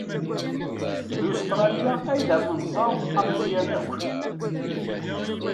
D Ustṛalya ay d amenẓaw ameẓyan akk.